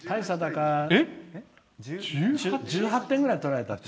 １８点くらい取られた。